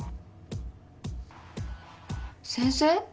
先生。